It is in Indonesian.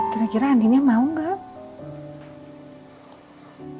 kira kira andiennya mau enggak